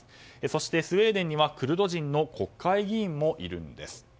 そしてスウェーデンにはクルド人の国会議員もいるんです。